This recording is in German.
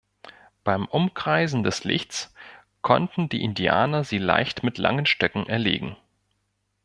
Beim Umkreisen des Lichts konnten die Indianer sie leicht mit langen Stöcken erlegen.